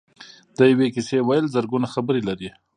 د یوې کیسې ویل زرګونه خبرې لري.